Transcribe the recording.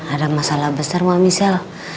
ada masalah besar mbak misel